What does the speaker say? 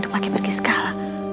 tuh lagi pergi segala